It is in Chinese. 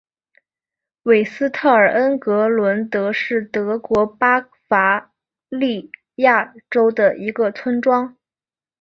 韦斯特尔恩格伦德是德国巴伐利亚州的一个村庄。